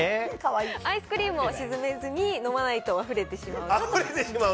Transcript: アイスクリームを沈めずに飲まないとあふれてしまうと。